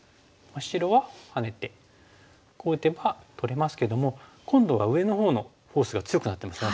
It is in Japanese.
白はハネてこう打てば取れますけども今度は上のほうのフォースが強くなってますよね。